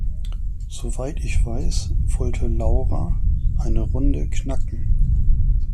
Soweit ich weiß, wollte Laura eine Runde knacken.